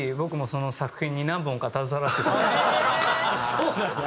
そうなんだ。